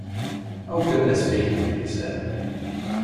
“Oh, goodness me!” she said.